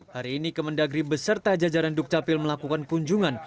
hari ini ke mendagri beserta jajaran dukcapil melakukan kunjungan